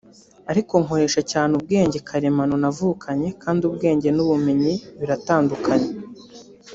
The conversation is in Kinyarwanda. ariko nkoresha cyane ubwenge karemano navukanye kandi ubwenge n’ubumenyi biratandukanye